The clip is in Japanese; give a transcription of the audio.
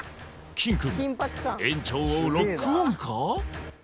キンくん園長をロックオンか？